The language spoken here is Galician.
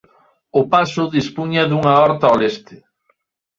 O pazo dispuña dunha horta ao leste.